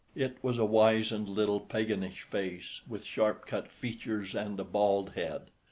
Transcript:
It was a wizened little paganish face, with sharp cut features and a bald head.